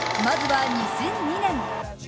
まずは２００２年。